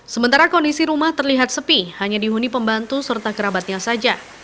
sementara kondisi rumah terlihat sepi hanya dihuni pembantu serta kerabatnya saja